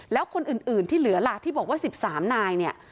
แล้วคนอื่นที่เหลือล่ะที่บอกว่า๑๓นายเนี่ย